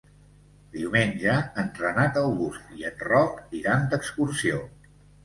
Diumenge en Renat August i en Roc iran d'excursió.